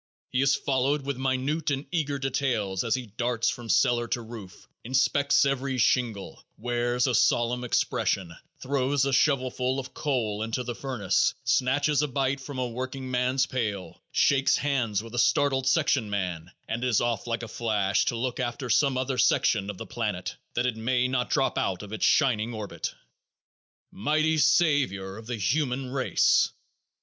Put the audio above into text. He is followed with minute and eager details as he darts from cellar to roof, inspects every shingle, wears a solemn expression, throws a shovelful of coal into the furnace, snatches a bite from a workingman's pail, shakes hands with a startled section man and is off like a flash to look after some other section of the planet that it may not drop out of its shining orbit. Mighty savior of the human race!